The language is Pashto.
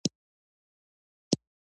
د خیریه مرستو ویش په دې ډول خورا شفاف وي.